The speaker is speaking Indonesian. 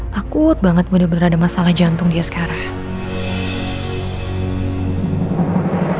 takut banget mudah mudahan ada masalah jantung dia sekarang